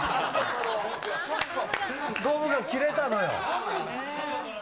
ゴムが切れたの。